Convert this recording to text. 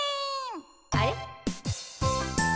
あれ？